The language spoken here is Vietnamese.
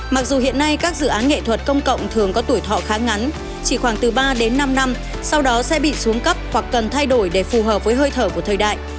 mặc dù hiện nay các dự án nghệ thuật công cộng thường có tuổi thọ khá ngắn chỉ khoảng từ ba đến năm năm sau đó sẽ bị xuống cấp hoặc cần thay đổi để phù hợp với hơi thở của thời đại